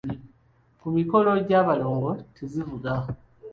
Ku mikolo gy’abalongo tezivuga.